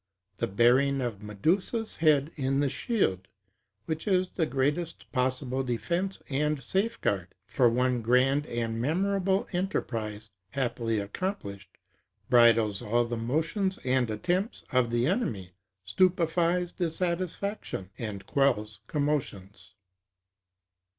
The bearing of Medusa's head in the shield, which is the greatest possible defence and safeguard; for one grand and memorable enterprise, happily accomplished, bridles all the motions and attempts of the enemy, stupefies disaffection, and quells commotions.